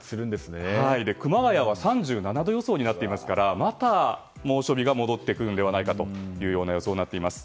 熊谷は３７度予想になっていますからまた猛暑日が戻ってくるのではないかという予想になっています。